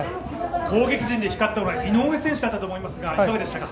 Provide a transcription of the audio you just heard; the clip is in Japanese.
攻撃陣で光ったのが井上選手だったと思いますがいかがですか？